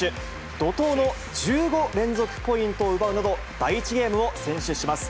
怒とうの１５連続ポイントを奪うなど、第１ゲームを先取します。